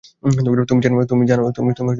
তুমি সেটা জানো না, রাইম।